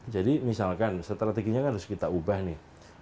jadi misalkan strateginya kan harus kita ubah nih